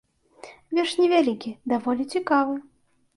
Верш невялікі, даволі цікавы.